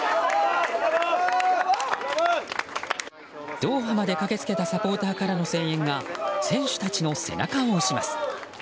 ドーハまで駆けつけたサポーターからの声援が選手たちの背中を押します。